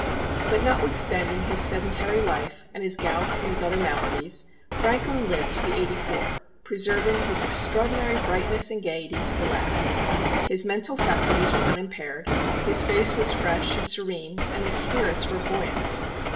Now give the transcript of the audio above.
But notwithstanding his sedentary life and his gout and his other maladies, Franklin lived to be eighty four, preserving his extraordinary brightness and gayety to the last. His mental faculties were unimpaired, his face was fresh and serene, and his spirits were buoyant.